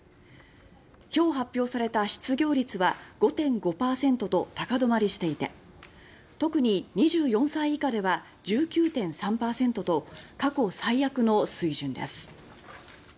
今日、発表された失業率は５．５％と高止まりしていて特に２４歳以下では１９．３％と過去最悪の水準です。